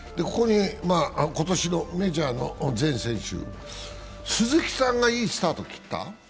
今年のメジャーの全選手、鈴木さんがいいスタートを切った？